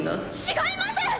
違います！